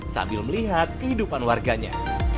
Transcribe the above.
sambil melihat kehidupan warganya